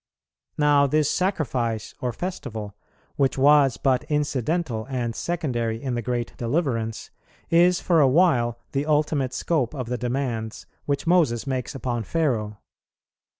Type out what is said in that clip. Now this sacrifice or festival, which was but incidental and secondary in the great deliverance, is for a while the ultimate scope of the demands which Moses makes upon Pharaoh.